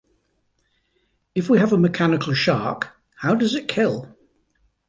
If we have a mechanical shark, how does it kill?